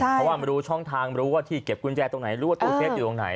เพราะว่าไม่รู้ช่องทางรู้ว่าที่เก็บกุญแจตรงไหนรู้ว่าตู้เซฟอยู่ตรงไหน